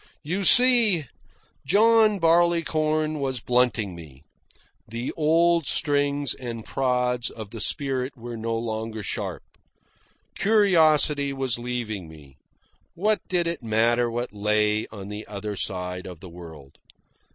You see, John Barleycorn was blunting me. The old stings and prods of the spirit were no longer sharp. Curiosity was leaving me. What did it matter what lay on the other side of the world?